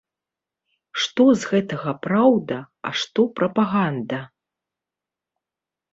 Што з гэтага праўда, а што прапаганда?